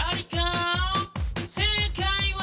「正解は」